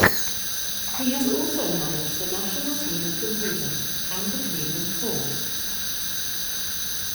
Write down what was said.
He has also managed the national team of Bermuda and the Cleveland Force.